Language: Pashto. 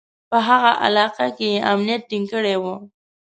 په هغه علاقه کې یې امنیت ټینګ کړی و.